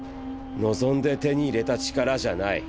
望んで手に入れた力じゃない。